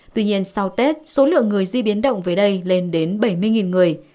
tuy nhiên sau tết số lượng người di biến động về đây lên đến bảy mươi người